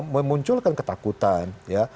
memunculkan ketakutan ya